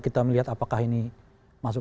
kita melihat apakah ini masuk